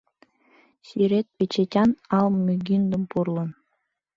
Сӱрет печетян ал мӱгиндым пурлын.